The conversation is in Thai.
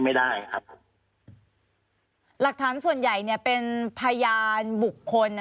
ไม่ได้ครับหลักฐานส่วนใหญ่เนี่ยเป็นพยานบุคคล